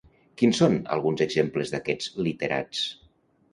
Quins són alguns exemples d'aquests literats?